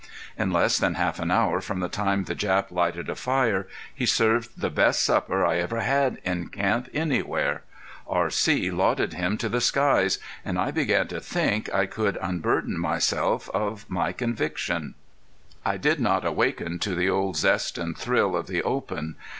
In less than half an hour from the time the Jap lighted a fire he served the best supper I ever had in camp anywhere. R.C. lauded him to the skies. And I began to think I could unburden myself of my conviction. I did not awaken to the old zest and thrill of the open.